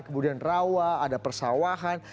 kemudian rawa ada persawahan